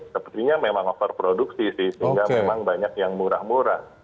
sepertinya memang overproduksi sih sehingga memang banyak yang murah murah